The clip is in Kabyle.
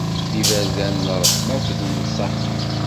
D iberdan n ṛṛeḥma akked nnṣaḥa.